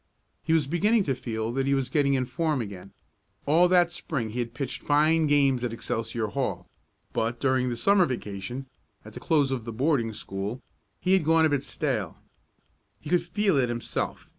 He was beginning to feel that he was getting in form again. All that Spring he had pitched fine games at Excelsior Hall, but, during the Summer vacation, at the close of the boarding school, he had gone a bit stale. He could feel it himself.